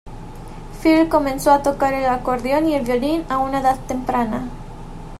Phil comenzó a tocar el acordeón y el violín a una edad temprana.